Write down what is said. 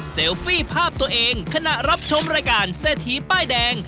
ฟี่ภาพตัวเองขณะรับชมรายการเศรษฐีป้ายแดง